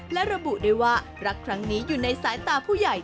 และระบุด้วยว่ารักครั้งนี้อยู่ในสายตาผู้ใหญ่